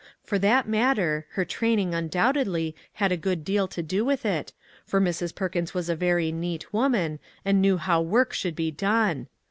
For that matter, her training, undoubtedly, had a good deal to do with it, for Mrs. Perkins was a very neat woman, and knew how work should be done.